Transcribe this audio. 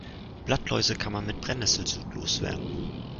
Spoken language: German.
Blattläuse kann man mit Brennesselsud loswerden.